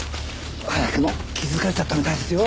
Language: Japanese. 早くも気づかれちゃったみたいですよ。